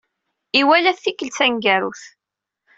Iwala-t i tikkelt taneggarut.